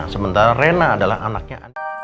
sementara rena adalah anaknya